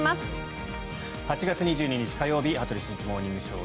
８月２２日、火曜日「羽鳥慎一モーニングショー」。